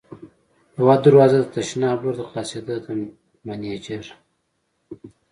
یوه دروازه د تشناب لور ته خلاصېده، مېنېجر.